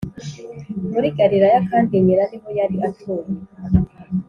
muri Galilaya kandi nyina niho yari atuye